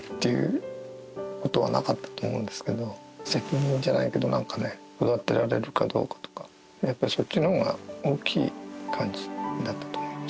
責任じゃないけどなんかね育てられるかどうかとかやっぱりそっちの方が大きい感じだったと思います。